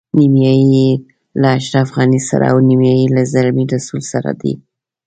نیمایي یې له اشرف غني سره او نیمایي له زلمي رسول سره دي.